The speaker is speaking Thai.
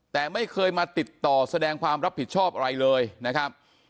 แต่ไม่เคยมาติดต่อแสดงความรับผิดชอบอะไรเลยนะครับ